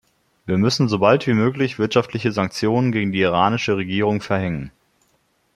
Wir müssen so bald wie möglich wirtschaftliche Sanktionen gegen die iranische Regierung verhängen.